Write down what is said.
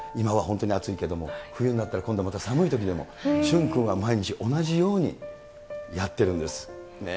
これがさ、今は本当に暑いけれども、冬になったら今度また寒いときでも、駿君は毎日同じようにやってるんです。